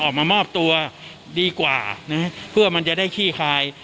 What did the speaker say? ออกมามอบตัวดีกว่านะฮะเพื่อมันจะได้ขี้คาย